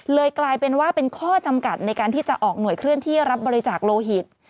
กลายเป็นว่าเป็นข้อจำกัดในการที่จะออกหน่วยเคลื่อนที่รับบริจาคโลหิต